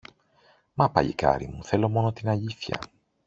Μα, παλικάρι μου, θέλω μόνο την αλήθεια